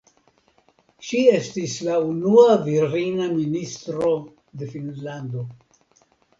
Ŝi estis la unua virina ministro de Finnlando.